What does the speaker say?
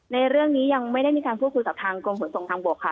ในเรื่องนี้ยังไม่ได้มีการพูดคุยกับทางกรมขนส่งทางบกค่ะ